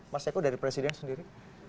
mas eko dari presiden sendiri